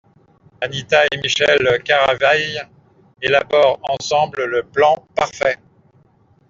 Anita et Michel Caravaille élaborent alors ensemble le plan parfait.